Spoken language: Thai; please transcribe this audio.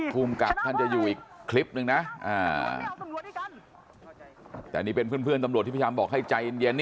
ภูมิกับท่านจะอยู่อีกคลิปนึงนะแต่นี่เป็นเพื่อนตำรวจที่พยายามบอกให้ใจเย็น